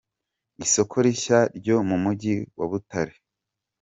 Isoko rishya ryo mu mujyi wa Butare.